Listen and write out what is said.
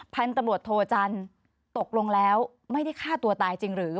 พันธุ์ตำรวจโทจันทร์ตกลงแล้วไม่ได้ฆ่าตัวตายจริงหรือ